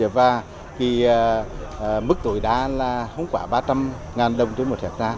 và mức tối đa là không quá ba trăm linh ngàn đồng tới một tháng